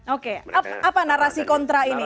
oke apa narasi kontra ini